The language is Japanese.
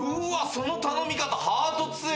その頼み方ハート強え！